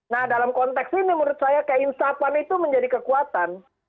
nah dalam konteks ini menurut saya keinsapan itu menjadi kekuatan